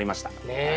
ねえ。